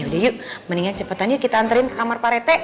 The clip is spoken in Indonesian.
yaudah yuk mendingan cepetan yuk kita anterin ke kamar pak rt